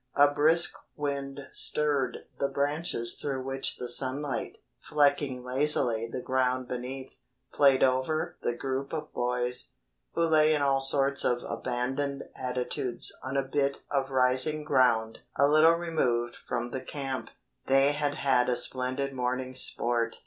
A brisk wind stirred the branches through which the sunlight, flecking lazily the ground beneath, played over the group of boys, who lay in all sorts of abandoned attitudes on a bit of rising ground a little removed from the camp. They had had a splendid morning's sport.